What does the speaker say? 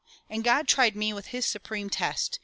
And God tried me with his supremest test.